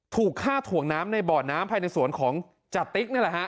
ถูกฆ่าถ่วงน้ำในบ่อน้ำภายในสวนของจติ๊กนี่แหละฮะ